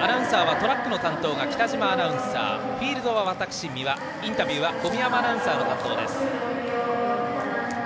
アナウンサーはトラック担当が北嶋アナウンサーフィールドは三輪インタビューは小宮山アナウンサーの担当です。